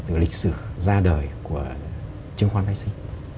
từ lịch sử ra đời của chứng khoán phái sinh